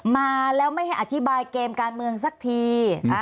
มาแล้วไม่ให้อธิบายเกมการเมืองสักที